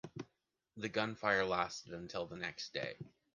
The gunfire lasted until the next day.